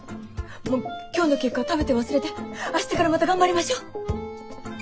もう今日の結果は食べて忘れて明日からまた頑張りましょう。